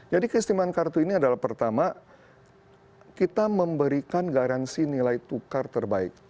jadi keistimewaan kartu ini adalah pertama kita memberikan garansi nilai tukar terbaik